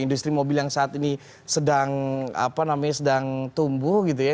industri mobil yang saat ini sedang apa namanya sedang tumbuh gitu ya